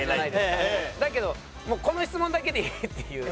だけどもうこの質問だけでいいっていう。